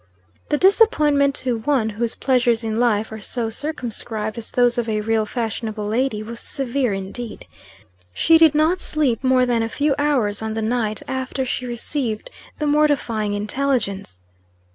The disappointment, to one whose pleasures in life are so circumscribed as those of a real fashionable lady, was severe indeed. She did not sleep more than a few hours on the night after she received the mortifying intelligence.